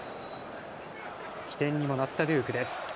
起点にもなったデュークです。